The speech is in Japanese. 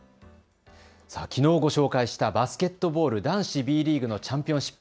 きのうご紹介したバスケットボール男子Ｂリーグのチャンピオンシップ。